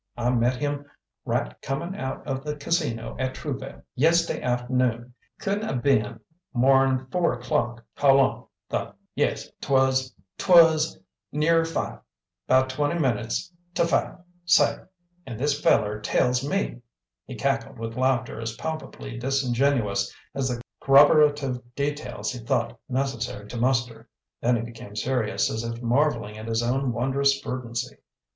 "I met him right comin' out o' the Casino at Trouville, yes'day aft'noon; c'udn' a' b'en more'n four o'clock hol' on though, yes 'twas, 'twas nearer five, about twunty minutes t' five, say an' this feller tells me " He cackled with laughter as palpably disingenuous as the corroborative details he thought necessary to muster, then he became serious, as if marvelling at his own wondrous verdancy.